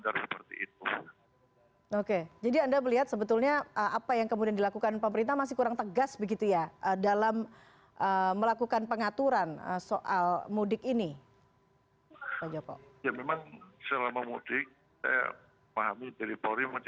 di dalam unsur kata sehat